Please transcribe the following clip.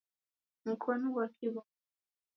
Mkonu ghwa kiw'omi